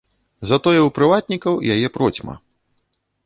Затое ў прыватнікаў яе процьма.